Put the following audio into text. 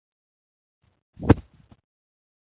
硫唑嘌呤被视为是致癌物的一种。